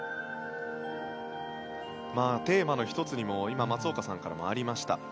テーマの１つにも今、松岡さんからもありました